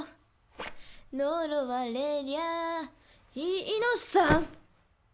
「呪われりゃいいのさ」